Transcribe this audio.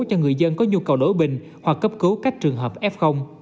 cho người dân có nhu cầu đổi bình hoặc cấp cứu các trường hợp f